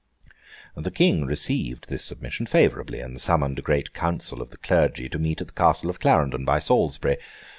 The King received this submission favourably, and summoned a great council of the clergy to meet at the Castle of Clarendon, by Salisbury.